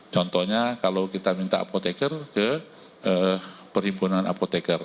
contohnya kalau kita minta apoteker ke perhimpunan apotekar